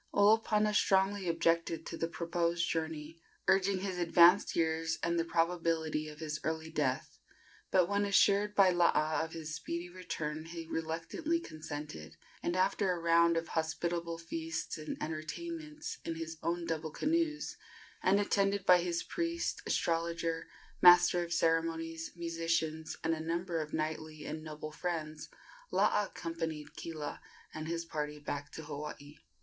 Olopana strongly objected to the proposed journey, urging his advanced years and the probability of his early death; but when assured by Laa of his speedy return he reluctantly consented, and after a round of hospitable feasts and entertainments, in his own double canoes, and attended by his priest, astrologer, master of ceremonies, musicians, and a number of knightly and noble friends, Laa accompanied Kila and his party back to Hawaii.